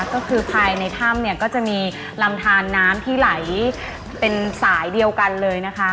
ก็คือภายในถ้ำเนี่ยก็จะมีลำทานน้ำที่ไหลเป็นสายเดียวกันเลยนะคะ